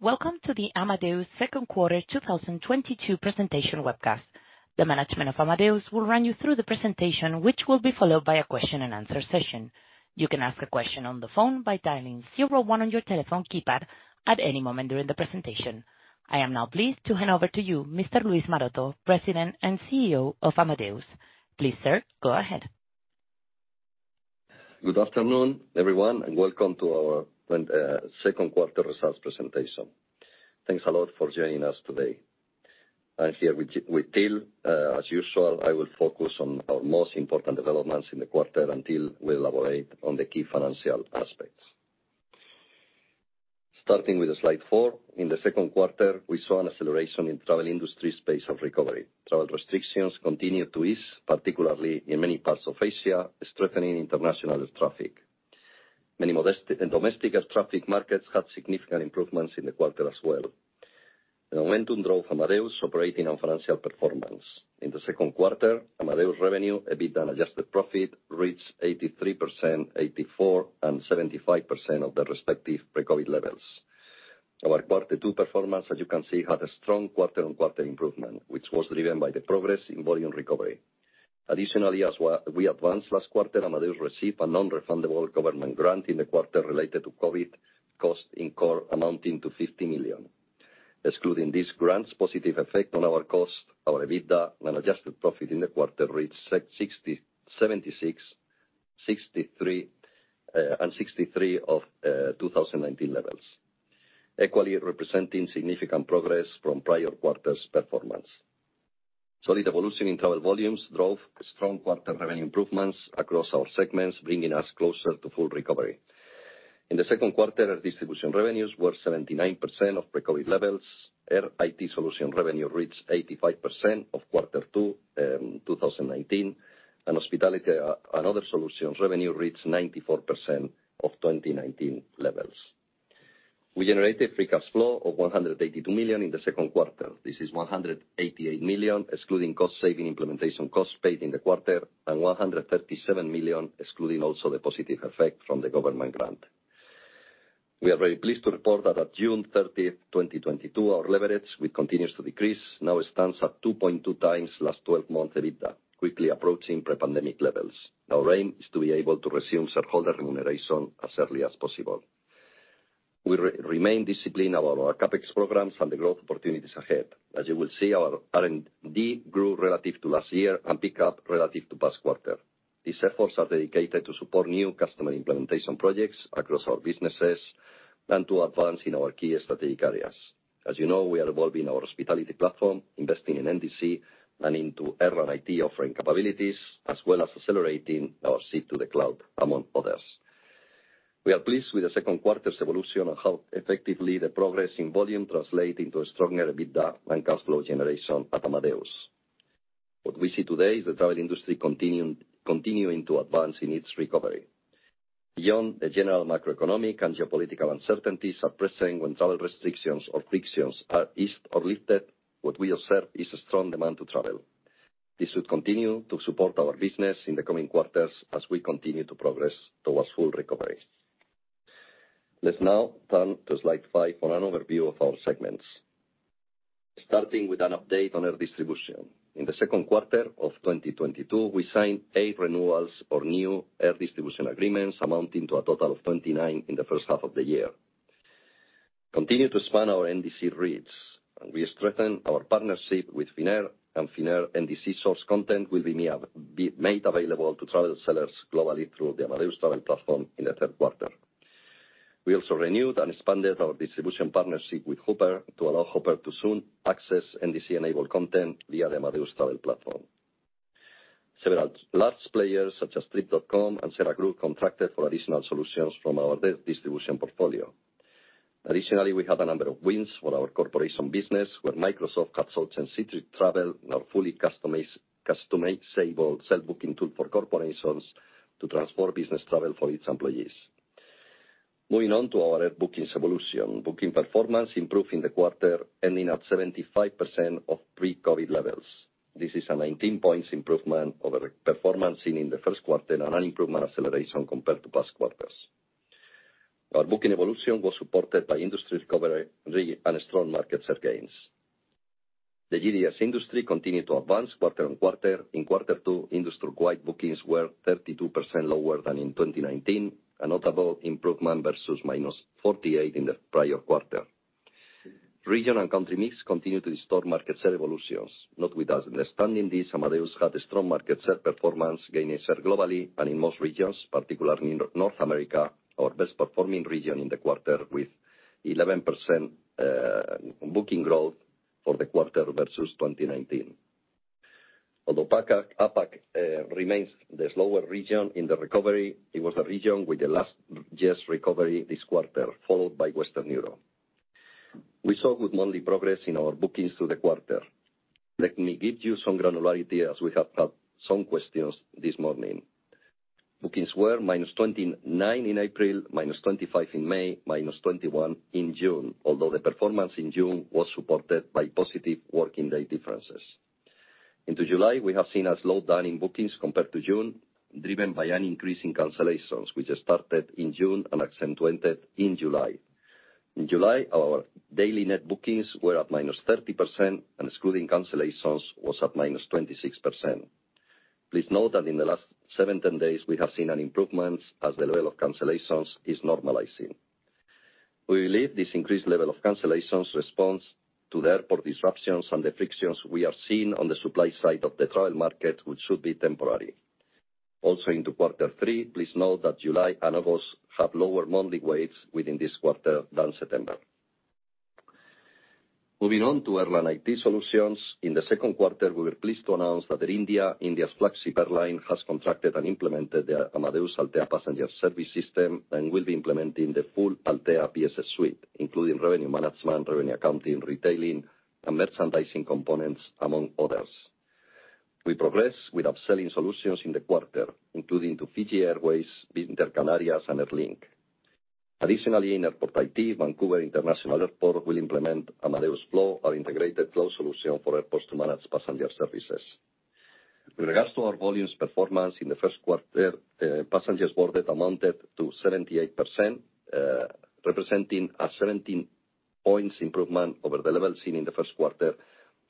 Welcome to the Amadeus second quarter 2022 presentation webcast. The management of Amadeus will run you through the presentation, which will be followed by a question and answer session. You can ask a question on the phone by dialing zero one on your telephone keypad at any moment during the presentation. I am now pleased to hand over to you, Mr. Luis Maroto, President and CEO of Amadeus. Please, sir, go ahead. Good afternoon, everyone, and welcome to our second quarter results presentation. Thanks a lot for joining us today. I'm here with Till. As usual, I will focus on our most important developments in the quarter, and Till will elaborate on the key financial aspects. Starting with slide four. In the second quarter, we saw an acceleration in travel industry's pace of recovery. Travel restrictions continued to ease, particularly in many parts of Asia, strengthening international air traffic. Many domestic air traffic markets had significant improvements in the quarter as well. The momentum drove Amadeus operating and financial performance. In the second quarter, Amadeus revenue, EBITDA, and adjusted profit reached 83%, 84%, and 75% of the respective pre-COVID levels. Our quarter two performance, as you can see, had a strong quarter-on-quarter improvement, which was driven by the progress in volume recovery. Additionally, as we advanced last quarter, Amadeus received a non-refundable government grant in the quarter related to COVID costs incurred amounting to 50 million. Excluding this grant's positive effect on our costs, our EBITDA and adjusted profit in the quarter reached 660 million and 76%, 63 million and 63% of 2019 levels. This equally representing significant progress from prior quarters' performance. Solid evolution in travel volumes drove strong quarter revenue improvements across our segments, bringing us closer to full recovery. In the second quarter, Air Distribution revenues were 79% of pre-COVID levels. Air IT Solutions revenue reached 85% of quarter two, 2019. Hospitality & Other Solutions revenue reached 94% of 2019 levels. We generated free cash flow of 182 million in the second quarter. This is 188 million, excluding cost saving implementation costs paid in the quarter, and 137 million, excluding also the positive effect from the government grant. We are very pleased to report that at June thirtieth, 2022, our leverage, which continues to decrease, now stands at 2.2 times last 12 months EBITDA, quickly approaching pre-pandemic levels. Our aim is to be able to resume shareholder remuneration as early as possible. We remain disciplined about our CapEx programs and the growth opportunities ahead. As you will see, our R&D grew relative to last year and picked up relative to last quarter. These efforts are dedicated to support new customer implementation projects across our businesses and to advance in our key strategic areas. As you know, we are evolving our hospitality platform, investing in NDC and into air and IT offering capabilities, as well as accelerating our shift to the cloud, among others. We are pleased with the second quarter's evolution on how effectively the progress in volume translate into a stronger EBITDA and cash flow generation at Amadeus. What we see today is the travel industry continuing to advance in its recovery. Beyond the general macroeconomic and geopolitical uncertainties are pressing when travel restrictions or frictions are eased or lifted, what we observe is a strong demand to travel. This should continue to support our business in the coming quarters as we continue to progress towards full recovery. Let's now turn to slide five for an overview of our segments. Starting with an update on air distribution. In the second quarter of 2022, we signed eight renewals or new air distribution agreements amounting to a total of 29 in the first half of the year. Continue to expand our NDC reach, and we strengthen our partnership with Finnair, and Finnair NDC source content will be made available to travel sellers globally through the Amadeus Travel Platform in the third quarter. We also renewed and expanded our distribution partnership with Hopper to allow Hopper to soon access NDC-enabled content via the Amadeus Travel Platform. Several large players, such as Trip.com and Serko, contracted for additional solutions from our air distribution portfolio. Additionally, we had a number of wins for our corporate business with Microsoft, Concur and Cytric Travel, our fully customizable self-booking tool for corporations to transform business travel for its employees. Moving on to our air bookings evolution. Booking performance improved in the quarter, ending at 75% of pre-COVID levels. This is a 19 points improvement over performance seen in the first quarter and an improvement acceleration compared to past quarters. Our booking evolution was supported by industry recovery and strong market share gains. The GDS industry continued to advance quarter-over-quarter. In quarter two, industry-wide bookings were 32% lower than in 2019, a notable improvement versus -48% in the prior quarter. Region and country mix continued to distort market share evolutions. Notwithstanding this, Amadeus had a strong market share performance, gaining share globally and in most regions, particularly in North America, our best performing region in the quarter, with 11% booking growth for the quarter versus 2019. Although APAC remains the slower region in the recovery, it was the region with the last GDS recovery this quarter, followed by Western Europe. We saw good monthly progress in our bookings through the quarter. Let me give you some granularity as we have had some questions this morning. Bookings were -29% in April, -25% in May, -21% in June, although the performance in June was supported by positive working day differences. Into July, we have seen a slowdown in bookings compared to June, driven by an increase in cancellations which had started in June and accentuated in July. In July, our daily net bookings were up -30% and excluding cancellations was at -26%. Please note that in the last 7-10 days, we have seen an improvement as the level of cancellations is normalizing. We believe this increased level of cancellations responds to the airport disruptions and the frictions we are seeing on the supply side of the travel market, which should be temporary. Also into quarter three, please note that July and August have lower monthly weights within this quarter than September. Moving on to Air IT Solutions. In the second quarter, we were pleased to announce that Air India's flagship airline, has contracted and implemented their Amadeus Altéa passenger service system and will be implementing the full Altéa PSS suite, including revenue management, revenue accounting, retailing, and merchandising components, among others. We progress with upselling solutions in the quarter, including to Fiji Airways, Binter Canarias, and Airlink. Additionally, in Airport IT, Vancouver International Airport will implement Amadeus Flow, our integrated flow solution for airports to manage passenger services. With regards to our volumes performance in the first quarter, passengers boarded amounted to 78%, representing a 17 points improvement over the level seen in the first quarter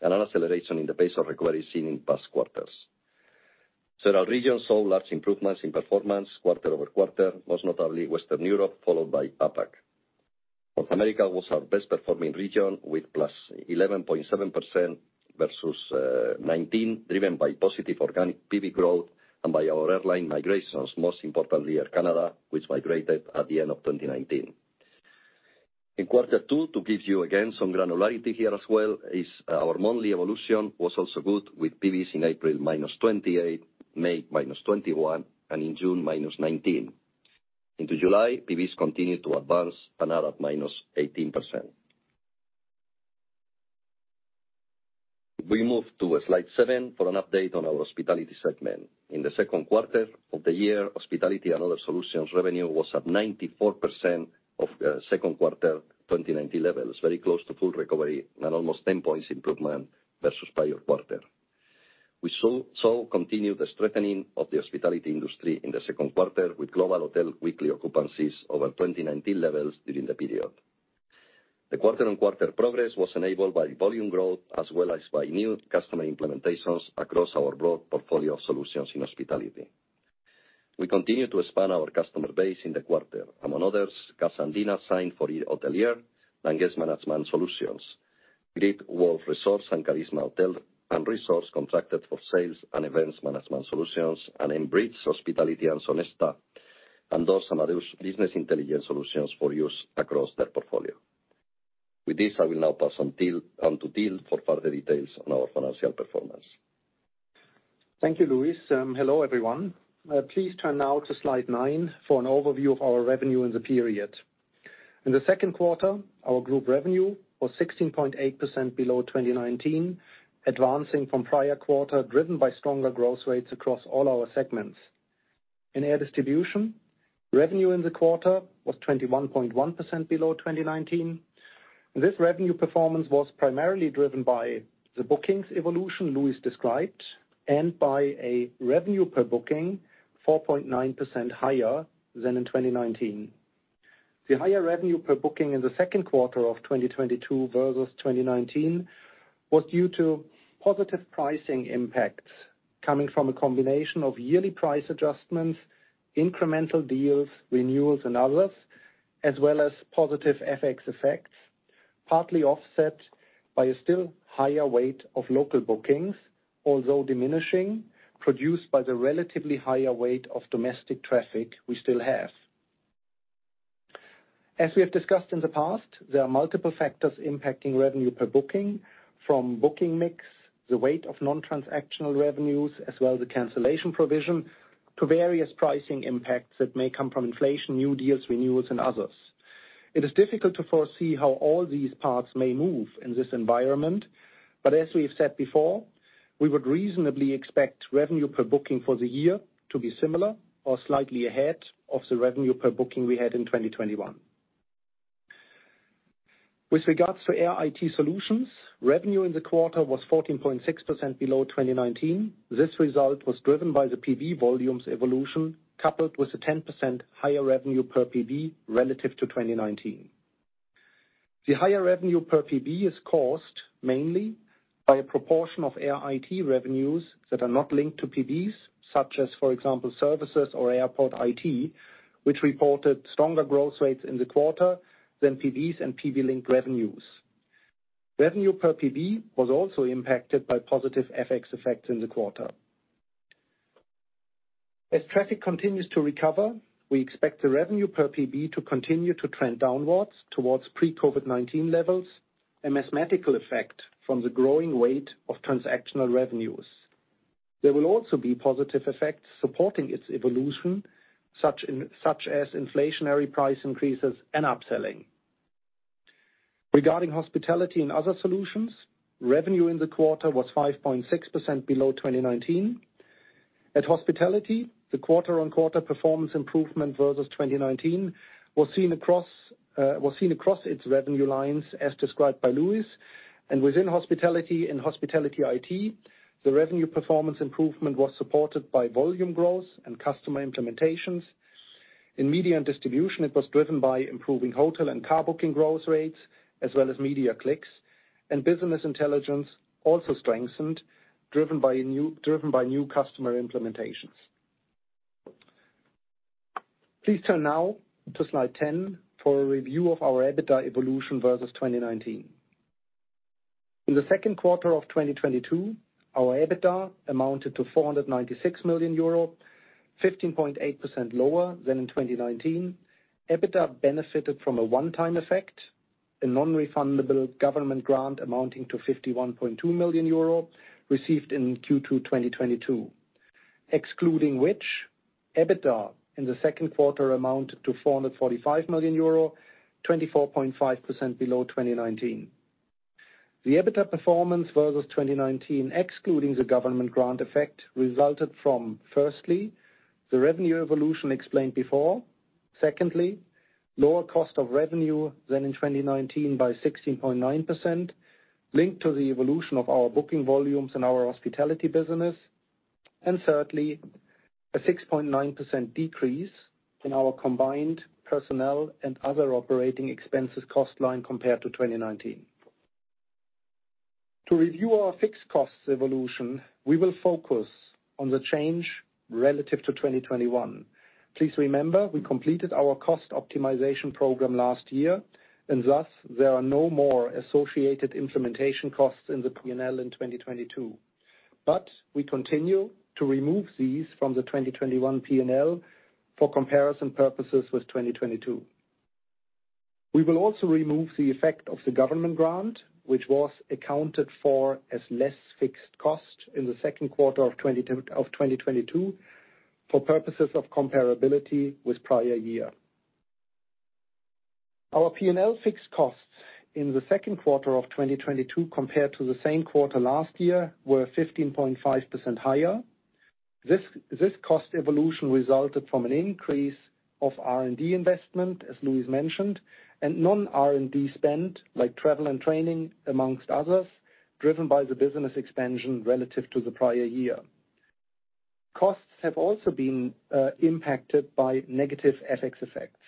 and an acceleration in the pace of recovery seen in past quarters. Several regions saw large improvements in performance quarter-over-quarter, most notably Western Europe, followed by APAC. North America was our best performing region with +11.7% versus 19, driven by positive organic PV growth and by our airline migrations, most importantly Air Canada, which migrated at the end of 2019. In quarter two, to give you again some granularity here as well, our monthly evolution was also good with PVs in April -28%, May -21%, and in June -19%. Into July, PVs continued to advance another -18%. We move to slide seven for an update on our hospitality segment. In the second quarter of the year, hospitality and other solutions revenue was at 94% of second quarter 2019 levels, very close to full recovery and almost 10 points improvement versus prior quarter. We saw continued strengthening of the hospitality industry in the second quarter with global hotel weekly occupancies over 2019 levels during the period. The quarter-on-quarter progress was enabled by volume growth as well as by new customer implementations across our broad portfolio of solutions in hospitality. We continue to expand our customer base in the quarter. Among others, Casa Andina signed for hotelier and guest management solutions. Great Wolf Resorts and Karisma Hotels & Resorts contracted for sales and events management solutions, and Ennismore Hospitality and Sonesta endorsed Amadeus business intelligence solutions for use across their portfolio. With this, I will now pass on to Till for further details on our financial performance. Thank you, Luis. Hello, everyone. Please turn now to slide nine for an overview of our revenue in the period. In the second quarter, our group revenue was 16.8% below 2019, advancing from prior quarter, driven by stronger growth rates across all our segments. In Air Distribution, revenue in the quarter was 21.1% below 2019. This revenue performance was primarily driven by the bookings evolution Luis described and by a revenue per booking 4.9% higher than in 2019. The higher revenue per booking in the second quarter of 2022 versus 2019 was due to positive pricing impacts coming from a combination of yearly price adjustments, incremental deals, renewals, and others, as well as positive FX effects, partly offset by a still higher weight of local bookings, although diminishing, produced by the relatively higher weight of domestic traffic we still have. As we have discussed in the past, there are multiple factors impacting revenue per booking from booking mix, the weight of non-transactional revenues, as well as the cancellation provision, to various pricing impacts that may come from inflation, new deals, renewals, and others. It is difficult to foresee how all these parts may move in this environment. As we've said before, we would reasonably expect revenue per booking for the year to be similar or slightly ahead of the revenue per booking we had in 2021. With regards to Air IT Solutions, revenue in the quarter was 14.6% below 2019. This result was driven by the PV volumes evolution, coupled with a 10% higher revenue per PV relative to 2019. The higher revenue per PV is caused mainly by a proportion of Air IT revenues that are not linked to PBs, such as, for example, services or Airport IT, which reported stronger growth rates in the quarter than PBs and PV-linked revenues. Revenue per PV was also impacted by positive FX effects in the quarter. As traffic continues to recover, we expect the revenue per PV to continue to trend downwards towards pre-COVID-19 levels, a mathematical effect from the growing weight of transactional revenues. There will also be positive effects supporting its evolution, such as inflationary price increases and upselling. Regarding Hospitality & Other Solutions, revenue in the quarter was 5.6% below 2019. At Hospitality, the quarter-on-quarter performance improvement versus 2019 was seen across its revenue lines as described by Luis. Within Hospitality and Hospitality IT, the revenue performance improvement was supported by volume growth and customer implementations. In media and distribution, it was driven by improving hotel and car booking growth rates, as well as media clicks. Business intelligence also strengthened, driven by new customer implementations. Please turn now to slide 10 for a review of our EBITDA evolution versus 2019. In the second quarter of 2022, our EBITDA amounted to 496 million euro, 15.8% lower than in 2019. EBITDA benefited from a one-time effect, a non-refundable government grant amounting to 51.2 million euro received in Q2 2022. Excluding which, EBITDA in the second quarter amounted to 445 million euro, 24.5% below 2019. The EBITDA performance versus 2019, excluding the government grant effect, resulted from, firstly, the revenue evolution explained before. Secondly, lower cost of revenue than in 2019 by 16.9%, linked to the evolution of our booking volumes in our hospitality business. Thirdly, a 6.9% decrease in our combined personnel and other operating expenses cost line compared to 2019. To review our fixed costs evolution, we will focus on the change relative to 2021. Please remember, we completed our cost optimization program last year, and thus there are no more associated implementation costs in the P&L in 2022. We continue to remove these from the 2021 P&L for comparison purposes with 2022. We will also remove the effect of the government grant, which was accounted for as less fixed cost in the second quarter of 2022, for purposes of comparability with prior year. Our P&L fixed costs in the second quarter of 2022 compared to the same quarter last year were 15.5% higher. This cost evolution resulted from an increase of R&D investment, as Luis mentioned, and non-R&D spend, like travel and training, among others, driven by the business expansion relative to the prior year. Costs have also been impacted by negative FX effects.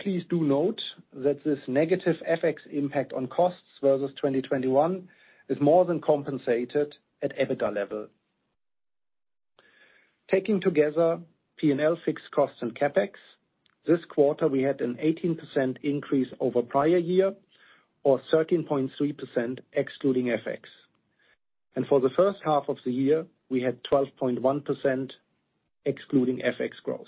Please do note that this negative FX impact on costs versus 2021 is more than compensated at EBITDA level. Taking together P&L fixed costs and CapEx, this quarter we had an 18% increase over prior year or 13.3% excluding FX. For the first half of the year, we had 12.1% excluding FX growth.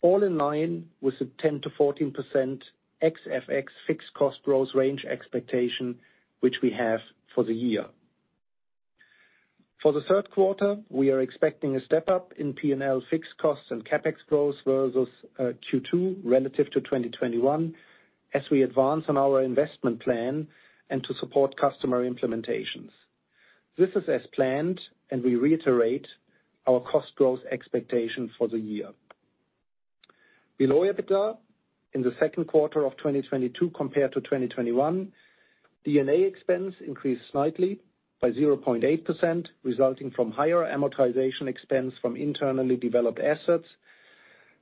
All in line with the 10%-14% ex-FX fixed cost growth range expectation, which we have for the year. For the third quarter, we are expecting a step-up in P&L fixed costs and CapEx growth versus Q2 relative to 2021 as we advance on our investment plan and to support customer implementations. This is as planned, and we reiterate our cost growth expectation for the year. Below EBITDA in the second quarter of 2022 compared to 2021, D&A expense increased slightly by 0.8%, resulting from higher amortization expense from internally developed assets,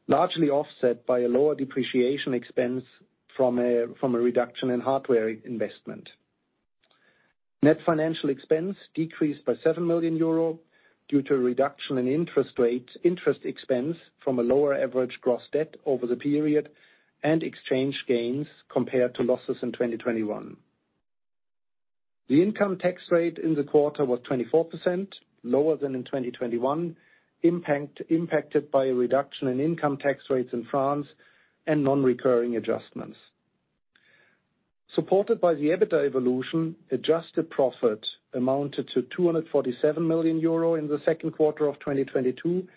largely offset by a lower depreciation expense from a reduction in hardware investment. Net financial expense decreased by 7 million euro due to a reduction in interest expense from a lower average gross debt over the period, and exchange gains compared to losses in 2021. The income tax rate in the quarter was 24%, lower than in 2021, impacted by a reduction in income tax rates in France and non-recurring adjustments. Supported by the EBITDA evolution, adjusted profit amounted to 247 million euro in the second quarter of 2022,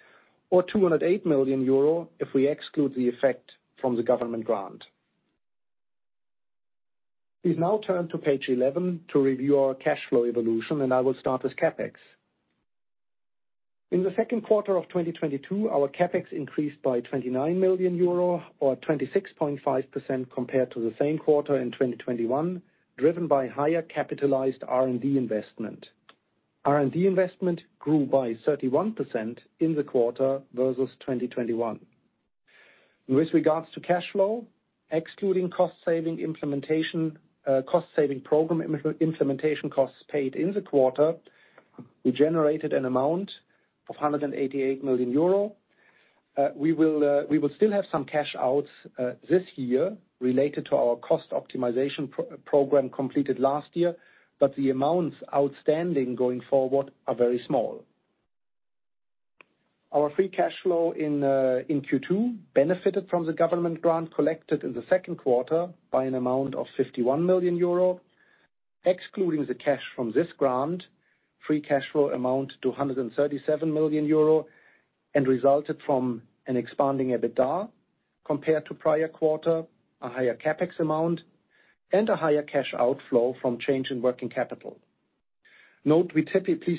or 208 million euro if we exclude the effect from the government grant. Please now turn to page 11 to review our cash flow evolution, and I will start with CapEx. In the second quarter of 2022, our CapEx increased by 29 million euro or 26.5% compared to the same quarter in 2021, driven by higher capitalized R&D investment. R&D investment grew by 31% in the quarter versus 2021. With regards to cash flow, excluding cost saving program implementation costs paid in the quarter, we generated an amount of 188 million euro. We will still have some cash outs this year related to our cost optimization program completed last year, but the amounts outstanding going forward are very small. Our free cash flow in Q2 benefited from the government grant collected in the second quarter by an amount of 51 million euro. Excluding the cash from this grant, free cash flow amount to 137 million euro and resulted from an expanding EBITDA compared to prior quarter, a higher CapEx amount, and a higher cash outflow from change in working capital. Please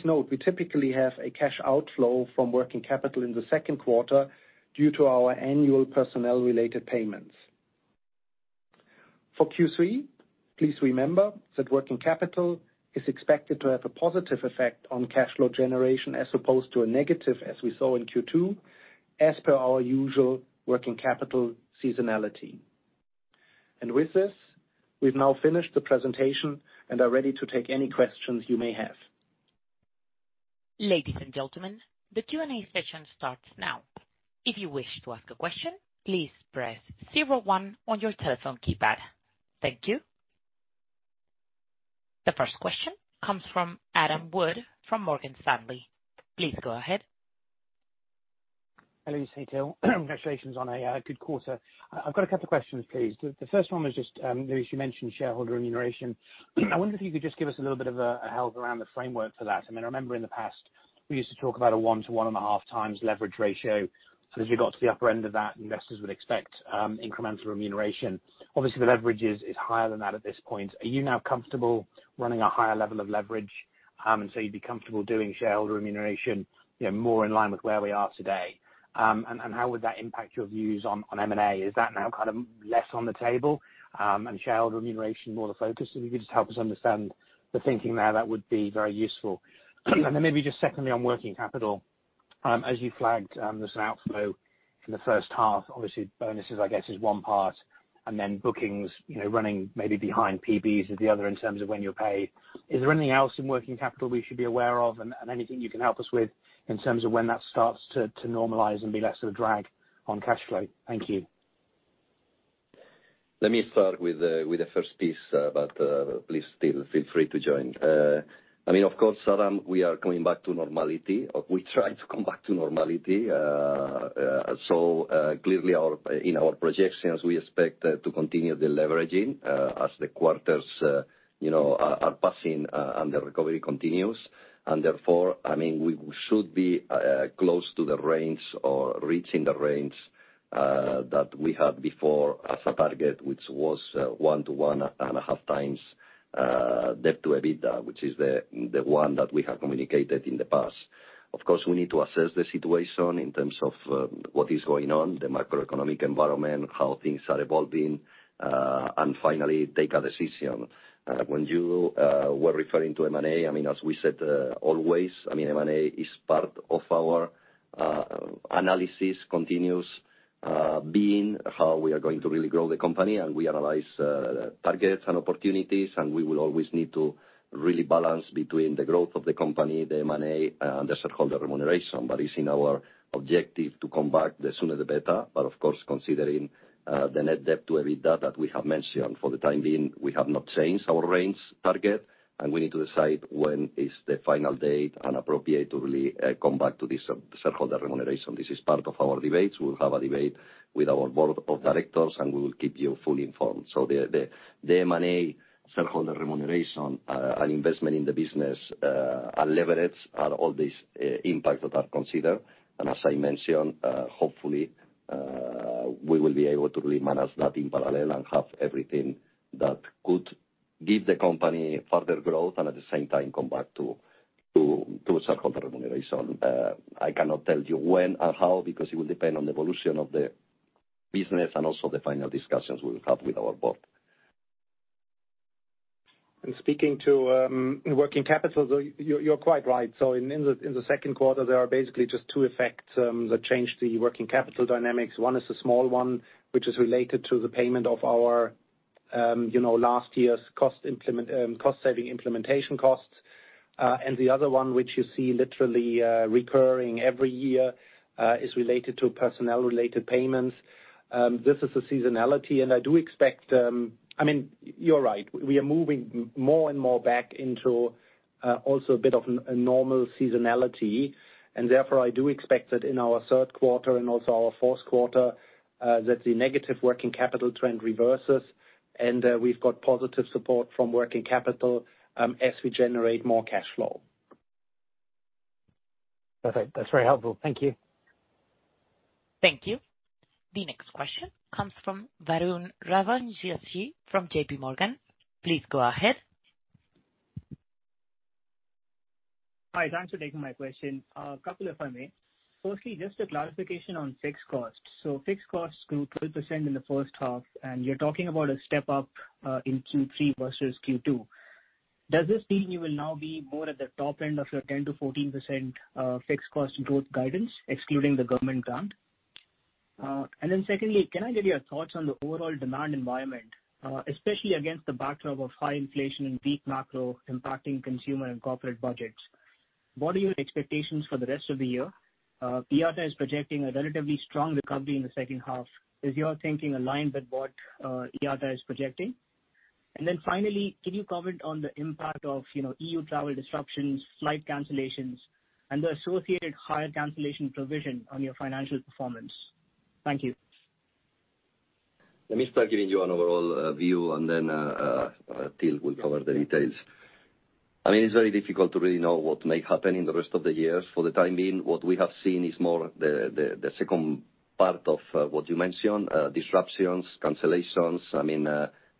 note, we typically have a cash outflow from working capital in the second quarter due to our annual personnel related payments. For Q3, please remember that working capital is expected to have a positive effect on cash flow generation as opposed to a negative as we saw in Q2, as per our usual working capital seasonality. With this, we've now finished the presentation and are ready to take any questions you may have. Ladies and gentlemen, the Q&A session starts now. If you wish to ask a question, please press zero one on your telephone keypad. Thank you. The first question comes from Adam Wood from Morgan Stanley. Please go ahead. Hello. Hey, Till. Congratulations on a good quarter. I've got a couple questions, please. The first one was just, Luis, you mentioned shareholder remuneration. I wonder if you could just give us a little bit of a help around the framework for that. I mean, I remember in the past, we used to talk about a 1 to 1.5 times leverage ratio, but as we got to the upper end of that, investors would expect incremental remuneration. Obviously, the leverage is higher than that at this point. Are you now comfortable running a higher level of leverage, and so you'd be comfortable doing shareholder remuneration, you know, more in line with where we are today? How would that impact your views on M&A? Is that now kind of less on the table, and shareholder remuneration more the focus? If you could just help us understand the thinking there, that would be very useful. Then maybe just secondly on working capital, as you flagged, there's an outflow in the first half. Obviously, bonuses, I guess, is one part, and then bookings, you know, running maybe behind PB is the other in terms of when you're paid. Is there anything else in working capital we should be aware of? Anything you can help us with in terms of when that starts to normalize and be less of a drag on cash flow? Thank you. Let me start with the first piece, but please, Till, feel free to join. I mean, of course, Adam, we are coming back to normality. We try to come back to normality. Clearly in our projections, we expect to continue the deleveraging as the quarters, you know, are passing and the recovery continues. Therefore, I mean, we should be close to the range or reaching the range that we had before as a target, which was 1-1.5 times debt to EBITDA, which is the one that we have communicated in the past. Of course, we need to assess the situation in terms of what is going on, the macroeconomic environment, how things are evolving, and finally take a decision. When you were referring to M&A, I mean, as we said, always, I mean, M&A is part of our analysis, continues being how we are going to really grow the company, and we analyze targets and opportunities, and we will always need to really balance between the growth of the company, the M&A, and the shareholder remuneration. It's in our objective to come back, the sooner the better. Of course, considering the net debt to EBITDA that we have mentioned, for the time being, we have not changed our range target, and we need to decide when is the final date and appropriately come back to this shareholder remuneration. This is part of our debates. We'll have a debate with our board of directors, and we will keep you fully informed. The M&A shareholder remuneration and investment in the business and leverage are all these impacts that are considered. As I mentioned, hopefully we will be able to really manage that in parallel and have everything that could give the company further growth and at the same time come back to shareholder remuneration. I cannot tell you when or how because it will depend on the evolution of the business and also the final discussions we will have with our board. Speaking to working capital, you're quite right. In the second quarter, there are basically just two effects that change the working capital dynamics. One is the small one, which is related to the payment of our last year's cost saving implementation costs. The other one, which you see literally recurring every year, is related to personnel related payments. This is a seasonality, and I do expect. I mean, you're right. We are moving more and more back into also a bit of normal seasonality. Therefore, I do expect that in our third quarter and also our fourth quarter, that the negative working capital trend reverses and we've got positive support from working capital as we generate more cash flow. Perfect. That's very helpful. Thank you. Thank you. The next question comes from Varun Rajwanshi from JP Morgan. Please go ahead. Hi, thanks for taking my question. A couple, if I may. Firstly, just a clarification on fixed costs. Fixed costs grew 12% in the first half, and you're talking about a step-up in Q3 versus Q2. Does this mean you will now be more at the top end of your 10%-14% fixed cost growth guidance, excluding the government grant? And then secondly, can I get your thoughts on the overall demand environment, especially against the backdrop of high inflation and weak macro impacting consumer and corporate budgets? What are your expectations for the rest of the year? IATA is projecting a relatively strong recovery in the second half. Is your thinking aligned with what IATA is projecting? Finally, can you comment on the impact of, you know, EU travel disruptions, flight cancellations and the associated higher cancellation provision on your financial performance? Thank you. Let me start giving you an overall view and then Till will cover the details. I mean, it's very difficult to really know what may happen in the rest of the years. For the time being, what we have seen is more the second part of what you mentioned, disruptions, cancellations, I mean,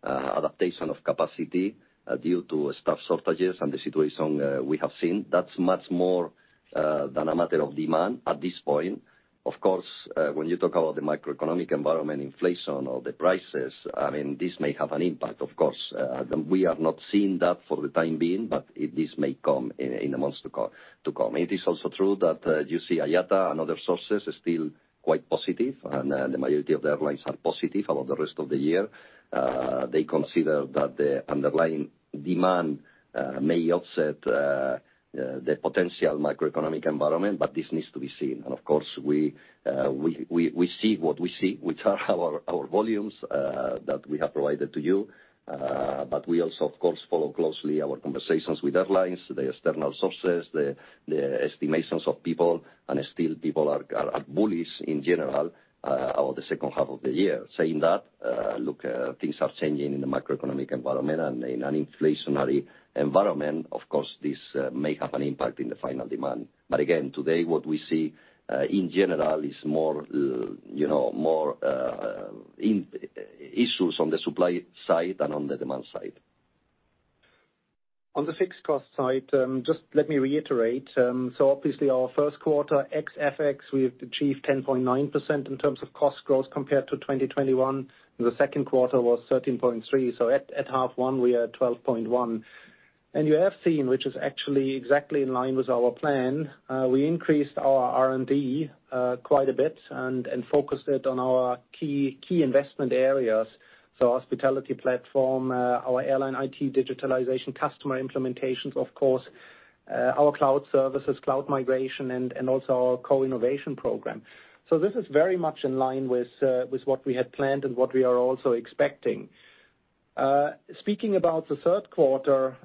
adaptation of capacity due to staff shortages and the situation we have seen. That's much more than a matter of demand at this point. Of course, when you talk about the macroeconomic environment, inflation or the prices, I mean, this may have an impact, of course. We have not seen that for the time being, but this may come in the months to come. It is also true that, you see IATA and other sources are still quite positive, and the majority of the airlines are positive about the rest of the year. They consider that the underlying demand may offset the potential macroeconomic environment, but this needs to be seen. Of course, we see what we see, which are our volumes that we have provided to you. But we also, of course, follow closely our conversations with airlines, the external sources, the estimations of people, and still people are bullish in general about the second half of the year. Saying that, look, things are changing in the macroeconomic environment and in an inflationary environment, of course, this may have an impact in the final demand. Again, today, what we see in general is more, you know, issues on the supply side than on the demand side. On the fixed cost side, just let me reiterate. Obviously our first quarter ex-FX, we've achieved 10.9% in terms of cost growth compared to 2021. The second quarter was 13.3%. At half one, we are at 12.1%. You have seen, which is actually exactly in line with our plan, we increased our R&D quite a bit and focused it on our key investment areas. Hospitality platform, our airline IT digitalization, customer implementations, of course, our cloud services, cloud migration, and also our co-innovation program. This is very much in line with what we had planned and what we are also expecting. Speaking about the third quarter,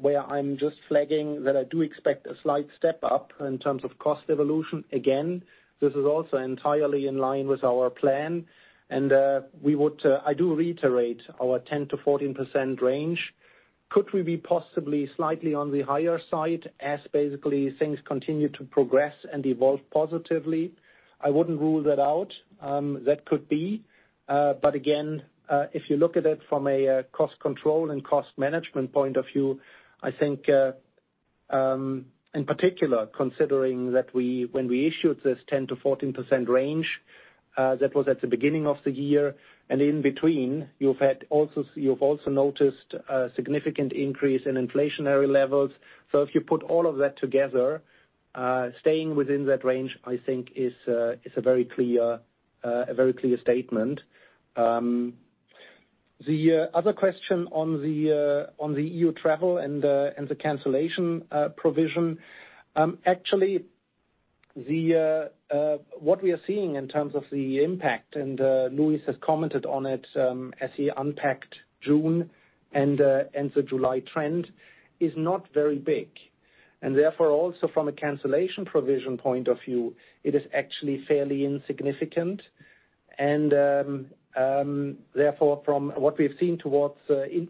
where I'm just flagging that I do expect a slight step up in terms of cost evolution. Again, this is also entirely in line with our plan. We would, I do reiterate our 10%-14% range. Could we be possibly slightly on the higher side as basically things continue to progress and evolve positively? I wouldn't rule that out. That could be. But again, if you look at it from a cost control and cost management point of view, I think, in particular, considering that when we issued this 10%-14% range, that was at the beginning of the year. In between, you've had also you've also noticed a significant increase in inflationary levels. If you put all of that together, staying within that range, I think is a very clear statement. The other question on the EU travel and the cancellation provision, actually, what we are seeing in terms of the impact, and Luis has commented on it, as he unpacked June and the July trend, is not very big. Therefore, also from a cancellation provision point of view, it is actually fairly insignificant. Therefore, from what we've seen towards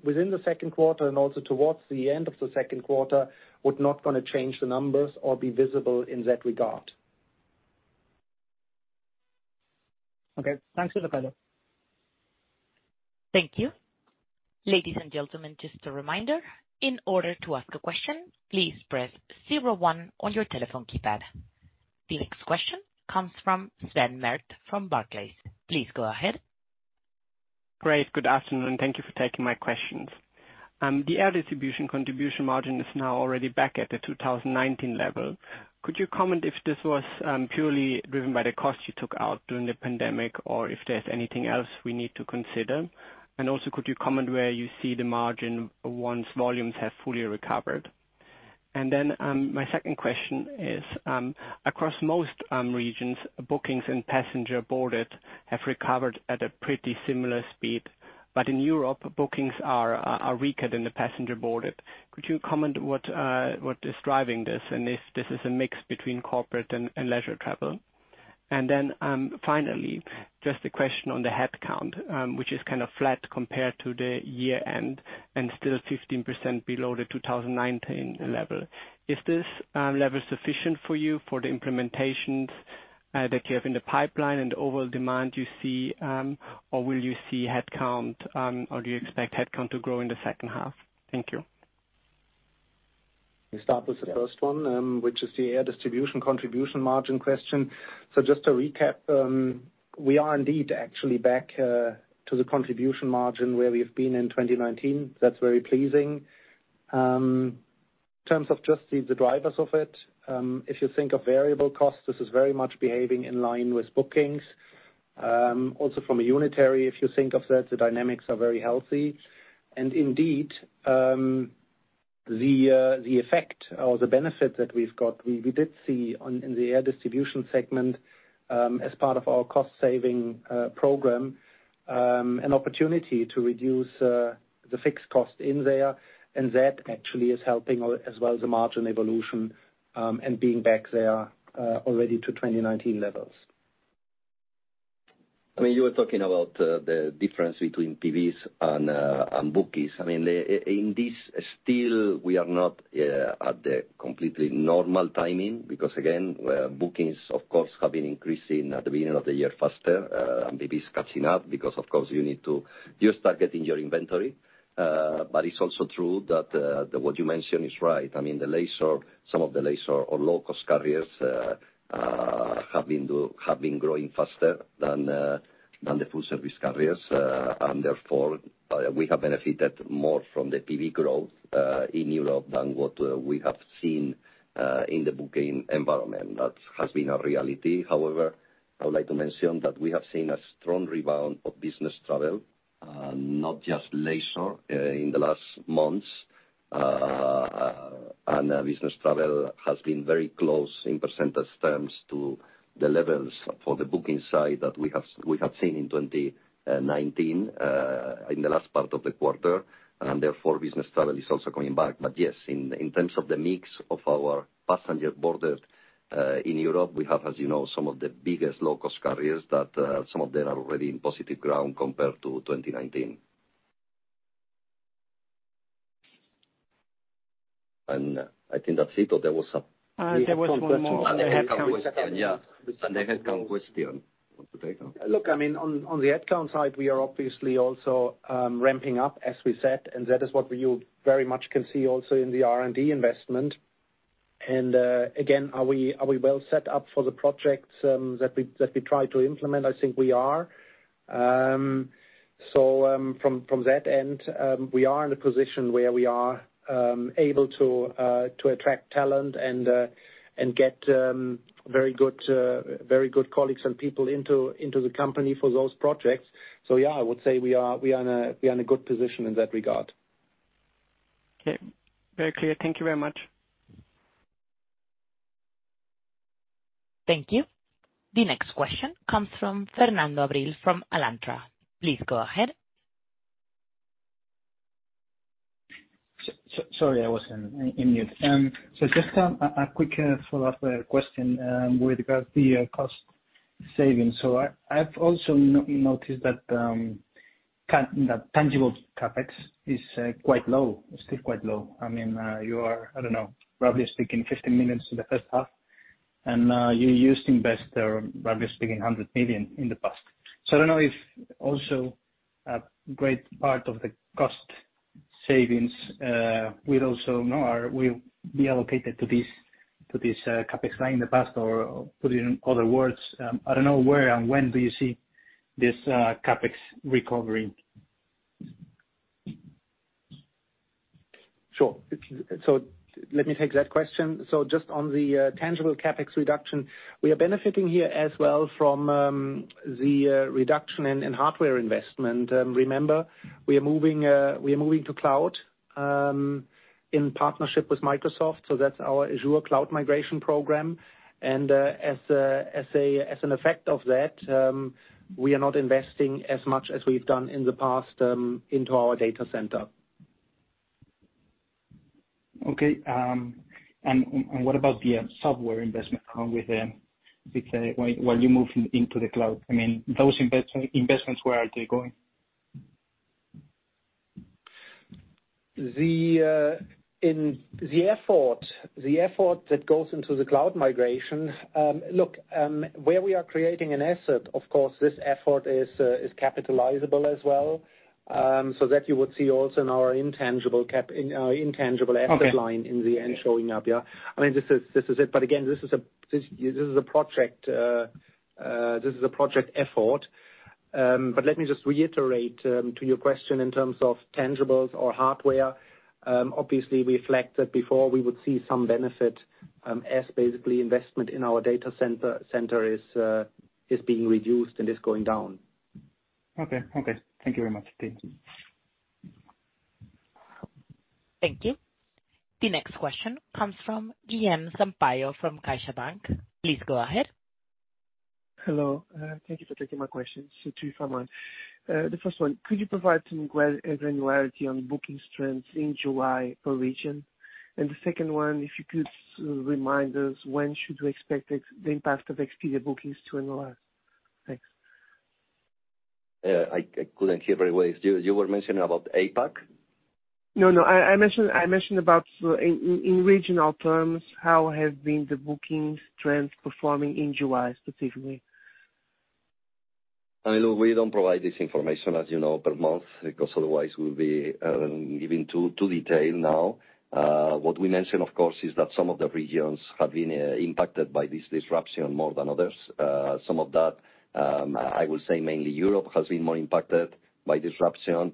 within the second quarter and also towards the end of the second quarter, would not gonna change the numbers or be visible in that regard. Okay. Thanks, Till Streichert. Thank you. Ladies and gentlemen, just a reminder, in order to ask a question, please press zero one on your telephone keypad. The next question comes from Sven Merkt from Barclays. Please go ahead. Great. Good afternoon. Thank you for taking my questions. The Air Distribution contribution margin is now already back at the 2019 level. Could you comment if this was purely driven by the cost you took out during the pandemic or if there's anything else we need to consider? Also, could you comment where you see the margin once volumes have fully recovered? Then, my second question is, across most regions, bookings and passengers boarded have recovered at a pretty similar speed. But in Europe, bookings are weaker than passengers boarded. Could you comment what is driving this, and if this is a mix between corporate and leisure travel? Finally, just a question on the headcount, which is kind of flat compared to the year-end and still 15% below the 2019 level. Is this level sufficient for you for the implementations that you have in the pipeline and the overall demand you see, or do you expect headcount to grow in the second half? Thank you. Let me start with the first one, which is the Air Distribution contribution margin question. Just to recap, we are indeed actually back to the contribution margin where we've been in 2019. That's very pleasing. In terms of just the drivers of it, if you think of variable costs, this is very much behaving in line with bookings. Also from a unitary, if you think of that, the dynamics are very healthy. Indeed, the effect or the benefit that we've got, we did see in the Air Distribution segment, as part of our cost-saving program, an opportunity to reduce the fixed cost in there, and that actually is helping as well as the margin evolution, and being back there already to 2019 levels. I mean, you were talking about the difference between PBs and bookings. I mean, in this still we are not at the completely normal timing because again, bookings of course have been increasing at the beginning of the year faster, and maybe it's catching up because of course you need to adjust targeting your inventory. It's also true that what you mentioned is right. I mean, some of the leisure or low-cost carriers have been growing faster than the full-service carriers. Therefore, we have benefited more from the PV growth in Europe than what we have seen in the booking environment. That has been our reality. However, I would like to mention that we have seen a strong rebound of business travel, not just leisure, in the last months. Business travel has been very close in percentage terms to the levels for the booking side that we have seen in 2019, in the last part of the quarter. Therefore, business travel is also coming back. Yes, in terms of the mix of our passengers boarded, in Europe, we have, as you know, some of the biggest low-cost carriers that, some of them are already in positive ground compared to 2019. I think that's it. There was one more on the headcount. On the headcount question, yeah. Look, I mean, on the headcount side, we are obviously also ramping up as we said, and that is what you very much can see also in the R&D investment. Again, are we well set up for the projects that we try to implement? I think we are. From that end, we are in a position where we are able to attract talent and get very good colleagues and people into the company for those projects. Yeah, I would say we are in a good position in that regard. Okay. Very clear. Thank you very much. Thank you. The next question comes from Fernando Abril-Martorell from Alantra. Please go ahead. Sorry, I was on mute. Just a quick follow-up question with regard to the cost savings. I've also noticed that the tangible CapEx is quite low, still quite low. I mean, you are, I don't know, roughly speaking 15 million in the first half, and you used to invest roughly speaking 100 million in the past. I don't know if also a great part of the cost savings will be allocated to this, to this CapEx line in the past or put it in other words, I don't know where and when do you see this CapEx recovery? Sure. Let me take that question. Just on the tangible CapEx reduction, we are benefiting here as well from the reduction in hardware investment. Remember we are moving to cloud in partnership with Microsoft, so that's our Azure cloud migration program. As an effect of that, we are not investing as much as we've done in the past into our data center. Okay. What about the software investment now with when you move into the cloud? I mean, those investments, where are they going? The effort that goes into the cloud migration. Look, where we are creating an asset, of course, this effort is capitalizable as well. That you would see also in our intangible asset line. Okay. In the end showing up, yeah. I mean, this is it. Again, this is a project effort. Let me just reiterate to your question in terms of tangibles or hardware. Obviously, we reflected before we would see some benefit, as basically investment in our data center is being reduced and is going down. Okay. Thank you very much. Thank you. The next question comes from Guilherme Sampaio from CaixaBank. Please go ahead. Hello. Thank you for taking my questions. Two if I may. The first one, could you provide some granularity on booking trends in July per region? The second one, if you could remind us when should we expect the impact of Expedia bookings to annualize? Thanks. I couldn't hear very well. You were mentioning about APAC? No. I mentioned about in regional terms, how have the bookings trends been performing in July specifically? Look, we don't provide this information, as you know, per month, because otherwise we'll be giving too much detail now. What we mentioned, of course, is that some of the regions have been impacted by this disruption more than others. Some of that, I will say mainly Europe has been more impacted by disruption.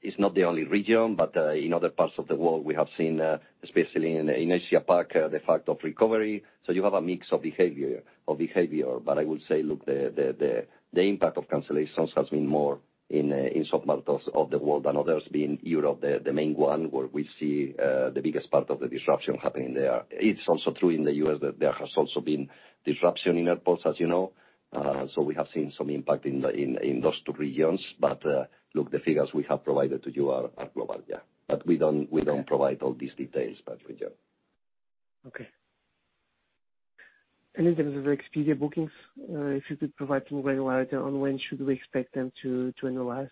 It's not the only region, but in other parts of the world we have seen, especially in Asia Pac, the fact of recovery. You have a mix of behavior. I will say, look, the impact of cancellations has been more in some parts of the world than others, being Europe the main one where we see the biggest part of the disruption happening there. It's also true in the U.S. that there has also been disruption in airports, as you know. We have seen some impact in those two regions. Look, the figures we have provided to you are global, yeah. We don't provide all these details by region. Okay. In terms of the Expedia bookings, if you could provide some granularity on when should we expect them to analyze?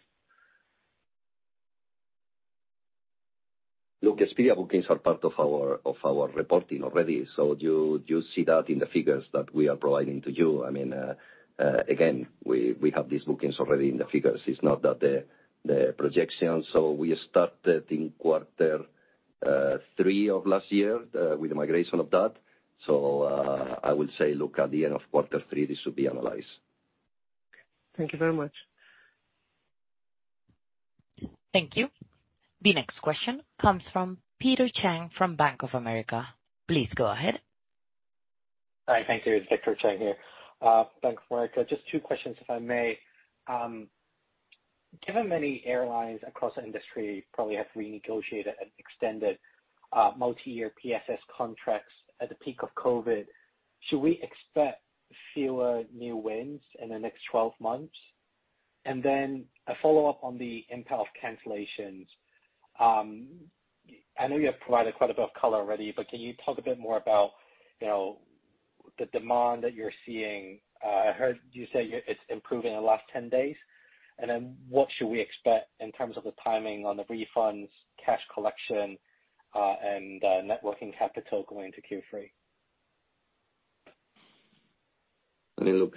Look, Expedia bookings are part of our reporting already. You see that in the figures that we are providing to you. I mean, again, we have these bookings already in the figures. It's not that the projection. We started in quarter three of last year with the migration of that. I would say, look at the end of quarter three, this should be analyzed. Thank you very much. Thank you. The next question comes from Victor Cheng from Bank of America. Please go ahead. Hi. Thank you. It's Victor Cheng here. Bank of America. Just two questions if I may. Given many airlines across the industry probably have renegotiated and extended multi-year PSS contracts at the peak of COVID, should we expect fewer new wins in the next 12 months? A follow-up on the impact of cancellations. I know you have provided quite a bit of color already, but can you talk a bit more about, you know, the demand that you're seeing? I heard you say it's improving in the last 10 days. What should we expect in terms of the timing on the refunds, cash collection, and net working capital going into Q3? I mean, look,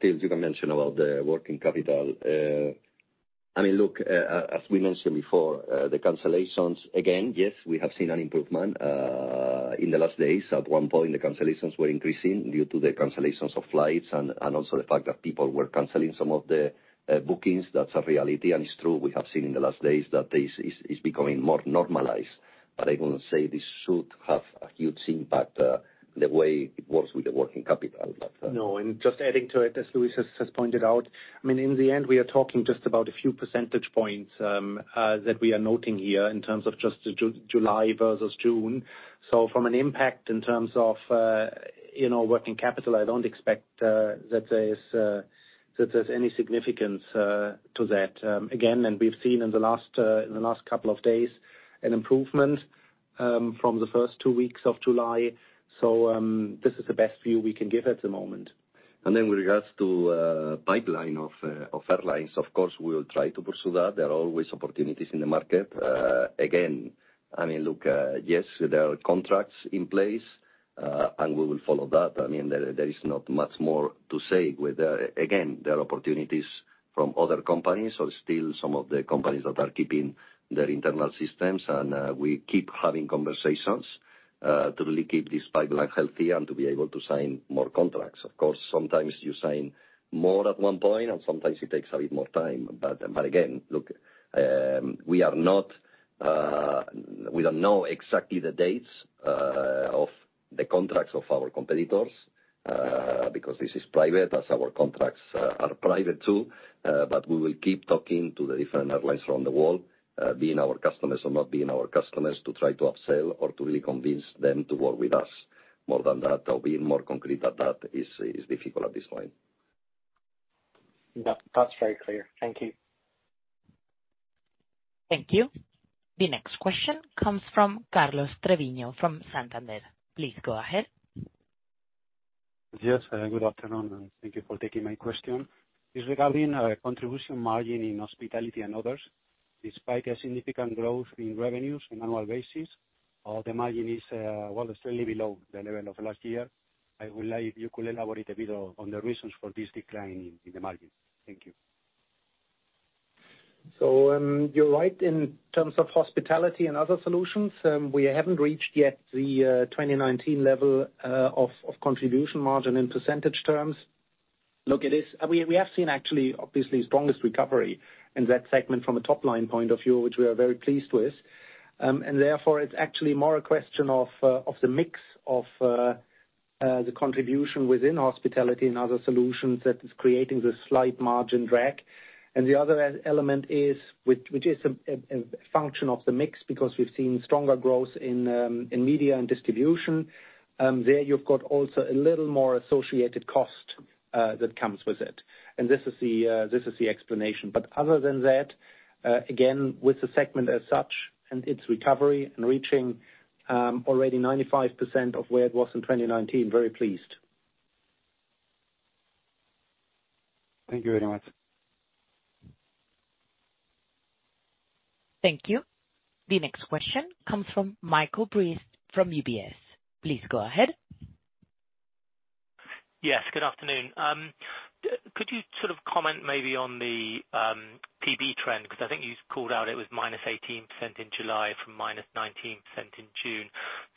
Till, you can mention about the working capital. I mean, look, as we mentioned before, the cancellations again, yes, we have seen an improvement in the last days. At one point, the cancellations were increasing due to the cancellations of flights and also the fact that people were canceling some of the bookings. That's a reality. It's true, we have seen in the last days that this is becoming more normalized. I wouldn't say this should have a huge impact the way it works with the working capital. No, just adding to it, as Luis has pointed out, I mean, in the end, we are talking just about a few percentage points that we are noting here in terms of just July versus June. From an impact in terms of you know, working capital, I don't expect that there's any significance to that. Again, we've seen in the last couple of days an improvement from the first two weeks of July. This is the best view we can give at the moment. With regards to pipeline of airlines, of course, we will try to pursue that. There are always opportunities in the market. Again, I mean, look, yes, there are contracts in place, and we will follow that. I mean, there is not much more to say. With again, there are opportunities from other companies or still some of the companies that are keeping their internal systems. We keep having conversations to really keep this pipeline healthy and to be able to sign more contracts. Of course, sometimes you sign more at one point, and sometimes it takes a bit more time. Again, look, we don't know exactly the dates of the contracts of our competitors because this is private, as our contracts are private too. We will keep talking to the different airlines around the world, being our customers or not being our customers, to try to upsell or to really convince them to work with us. More than that or being more concrete at that is difficult at this point. That, that's very clear. Thank you. Thank you. The next question comes from Carlos Treviño from Santander. Please go ahead. Yes, good afternoon, and thank you for taking my question. It's regarding contribution margin in Hospitality and Others. Despite a significant growth in revenues on annual basis, the margin is well certainly below the level of last year. I would like if you could elaborate a bit on the reasons for this decline in the margin. Thank you. You're right. In terms of Hospitality and Other Solutions, we haven't reached yet the 2019 level of contribution margin in percentage terms. Look, we have seen actually, obviously, strongest recovery in that segment from a top-line point of view, which we are very pleased with. Therefore it's actually more a question of the mix of the contribution within Hospitality and Other Solutions that is creating the slight margin drag. The other element is, which is a function of the mix, because we've seen stronger growth in media and distribution. There you've got also a little more associated cost that comes with it. This is the explanation. Other than that, again, with the segment as such and its recovery and reaching already 95% of where it was in 2019, very pleased. Thank you very much. Thank you. The next question comes from Michael Briest from UBS. Please go ahead. Yes, good afternoon. Could you sort of comment maybe on the PB trend? Because I think you called out it was -18% in July from -19% in June.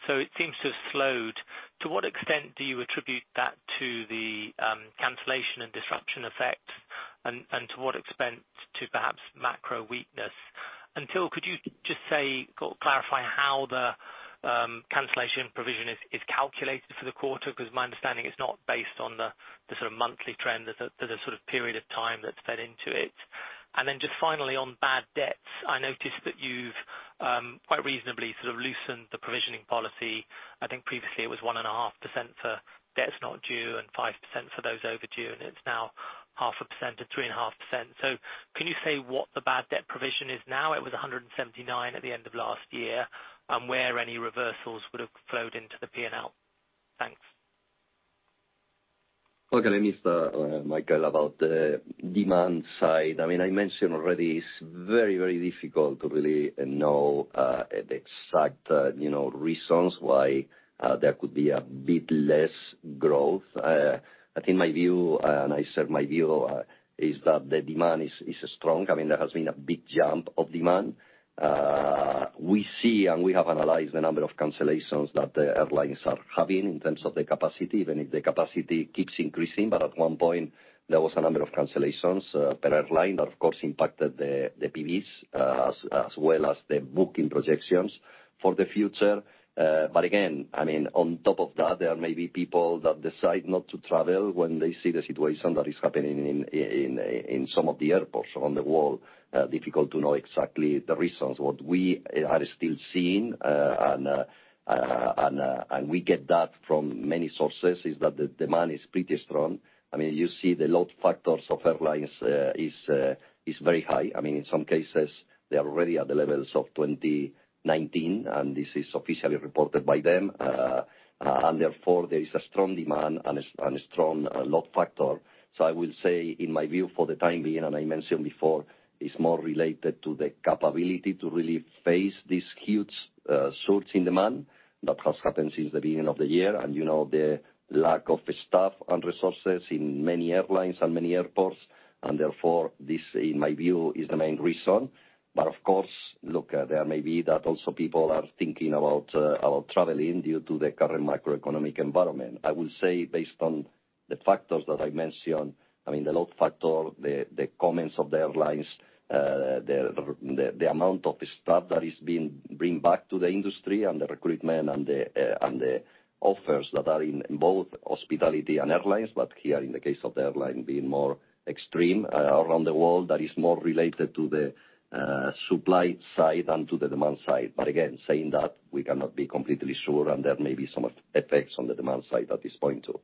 It seems to have slowed. To what extent do you attribute that to the cancellation and disruption effects? And to what extent to perhaps macro weakness? Till, could you just say or clarify how the cancellation provision is calculated for the quarter? Because my understanding is not based on the sort of monthly trend. There's a sort of period of time that's fed into it. Just finally on bad debts, I noticed that you've quite reasonably sort of loosened the provisioning policy. I think previously it was 1.5% for those not due and 5% for those overdue, and it's now 0.5% and 3.5%. Can you say what the bad debt provision is now? It was 179 at the end of last year, and where any reversals would have flowed into the P&L. Thanks. Okay, let me start, Michael, about the demand side. I mean, I mentioned already it's very, very difficult to really know the exact, you know, reasons why there could be a bit less growth. I think my view and I said my view is that the demand is strong. I mean, there has been a big jump of demand. We see and we have analyzed the number of cancellations that the airlines are having in terms of the capacity, even if the capacity keeps increasing. At one point, there was a number of cancellations per airline that, of course, impacted the PBs as well as the booking projections for the future. Again, I mean, on top of that, there may be people that decide not to travel when they see the situation that is happening in some of the airports in the world. Difficult to know exactly the reasons. What we are still seeing, and we get that from many sources, is that the demand is pretty strong. I mean, you see the load factors of airlines is very high. I mean, in some cases, they are already at the levels of 2019, and this is officially reported by them. Therefore, there is a strong demand and a strong load factor. I will say, in my view, for the time being, and I mentioned before, it's more related to the capability to really face this huge surge in demand that has happened since the beginning of the year. You know, the lack of staff and resources in many airlines and many airports, and therefore this, in my view, is the main reason. Of course, look, there may be that also people are thinking about traveling due to the current macroeconomic environment. I will say, based on the factors that I mentioned, I mean, the load factor, the comments of the airlines, the amount of staff that is being bring back to the industry and the recruitment and the offers that are in both hospitality and airlines, but here in the case of the airline being more extreme, around the world, that is more related to the supply side than to the demand side. But again, saying that, we cannot be completely sure, and there may be some effects on the demand side at this point, too.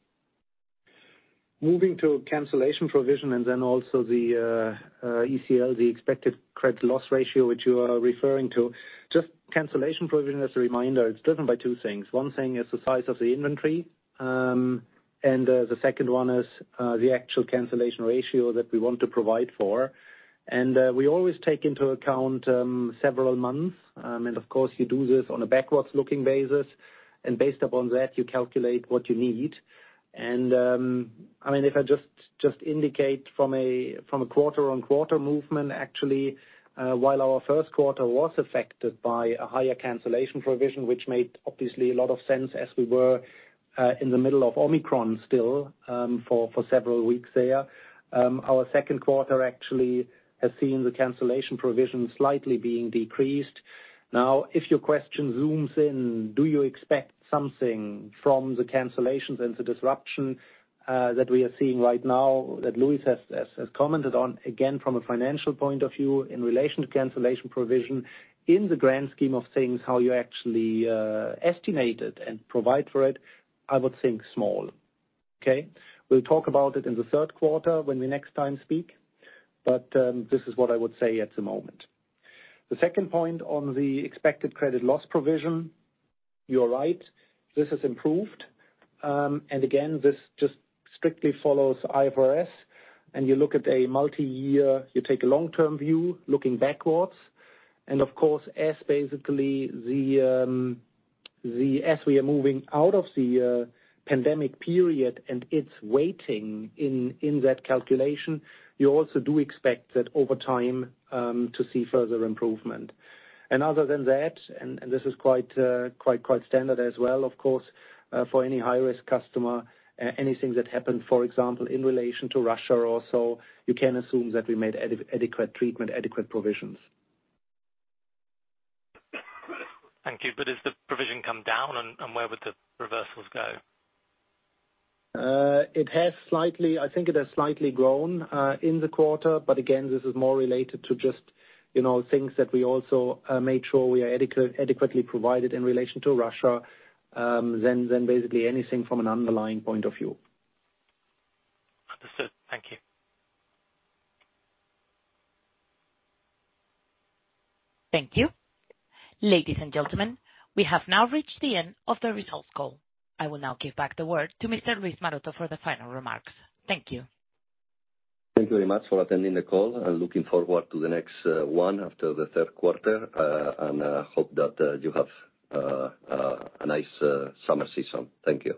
Moving to cancellation provision and then also the ECL, the expected credit loss ratio, which you are referring to. Just cancellation provision as a reminder, it's driven by two things. One thing is the size of the inventory, and the second one is the actual cancellation ratio that we want to provide for. We always take into account several months, and of course, you do this on a backward-looking basis, and based upon that, you calculate what you need. I mean, if I just indicate from a quarter-on-quarter movement, actually, while our first quarter was affected by a higher cancellation provision, which made obviously a lot of sense as we were in the middle of Omicron still, for several weeks there, our second quarter actually has seen the cancellation provision slightly being decreased. Now, if your question zooms in, do you expect something from the cancellations and the disruption that Luis has commented on, again, from a financial point of view in relation to cancellation provision, in the grand scheme of things, how you actually estimate it and provide for it, I would think small. Okay? We'll talk about it in the third quarter when we next time speak, but this is what I would say at the moment. The second point on the expected credit loss provision, you're right, this has improved. Again, this just strictly follows IFRS, and you look at a multiyear, you take a long-term view looking backwards. Of course, as basically the, as we are moving out of the pandemic period and it's weighting in that calculation, you also do expect that over time to see further improvement. Other than that, this is quite standard as well, of course, for any high-risk customer, anything that happened, for example, in relation to Russia also, you can assume that we made adequate treatment, adequate provisions. Thank you. Has the provision come down, and where would the reversals go? I think it has slightly grown in the quarter, but again, this is more related to just, you know, things that we also made sure we are adequately provided in relation to Russia, than basically anything from an underlying point of view. Understood. Thank you. Thank you. Ladies and gentlemen, we have now reached the end of the results call. I will now give back the word to Mr. Luis Maroto for the final remarks. Thank you. Thank you very much for attending the call. I'm looking forward to the next one after the third quarter and hope that you have a nice summer season. Thank you.